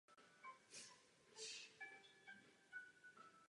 Při realizaci byl použit nový urbanistický plán brněnského architekta Emila Králíka.